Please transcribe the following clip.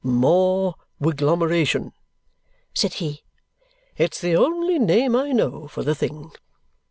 "More wiglomeration," said he. "It's the only name I know for the thing.